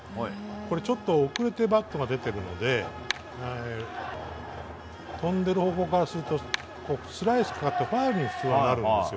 ちょっと遅れてバットが出てるので飛んでる方向からするとスライスかかって普通はファウルになるんですよ。